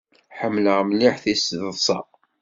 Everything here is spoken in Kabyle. Ḥemmleɣ mliḥ tiseḍṣa.